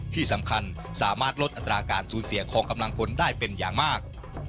ที่สำคัญสามารถลดอัตราการสูญเสียของกำลังพลได้เป็นอย่างมาก